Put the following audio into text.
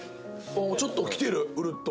ちょっときてるうるっと。